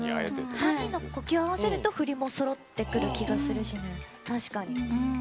３人の呼吸を合わせると振りもそろってくるような気がするしね。